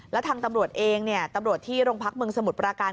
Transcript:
แล้วทางตำรวจเองตำรวจที่โรงพักเมืองสมุทรปราการ